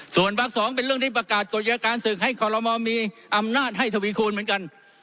ส่วนวัก๒เป็นเรื่องที่ประกาศกฎยาการศึกให้คอลโมมีอำนาจให้ทวีคูณเหมือนกัน